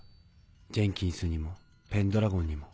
ジェンキンスにもペンドラゴンにも。